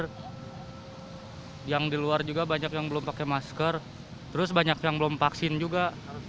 hai yang diluar juga banyak yang belum pakai masker terus banyak yang belum vaksin juga